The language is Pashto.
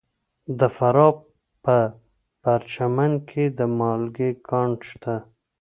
د فراه په پرچمن کې د مالګې کان شته.